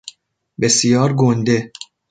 بسیار گنده